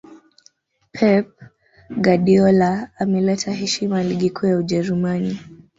pep guardiola ameleta heshima ligi kuu ya ujerumani